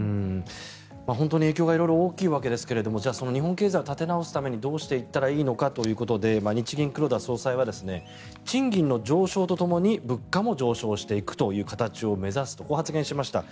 本当に影響が色々大きいわけですがじゃあ、その日本経済を立て直すためにどうしていったらいいのかということで日銀の黒田総裁は賃金の上昇とともに物価も上昇していくという形を目指すとこう発言しました。